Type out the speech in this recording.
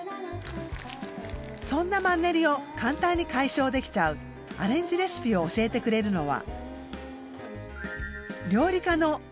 そんなマンネリを簡単に解消できちゃうアレンジレシピを教えてくれるのは。